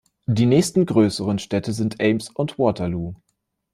Die nächsten größere Städte sind Ames und Waterloo.